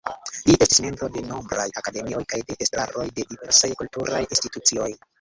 Li estis membro de nombraj akademioj kaj de estraroj de diversaj kulturaj institucioj.